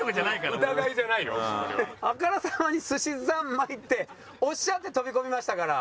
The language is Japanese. あからさまに「すしざんまい」っておっしゃって飛び込みましたから。